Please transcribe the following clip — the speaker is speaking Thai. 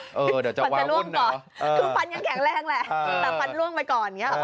เดี๋ยวจะวาวุ่นเหรอคือฟันกันแข็งแรงแหละแต่ฟันล่วงไปก่อน